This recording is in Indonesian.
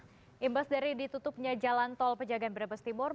imbas dari ditutupnya jalan tol pejagaan brebes timur